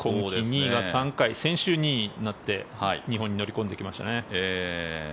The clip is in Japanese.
先週２位になって日本に乗り込んできましたね。